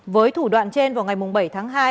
với thủ đoạn trên vào ngày bảy tháng hai